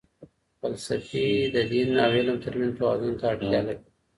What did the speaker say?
فلسفې د دین او علم ترمنځ توازن ته اړتیا لري.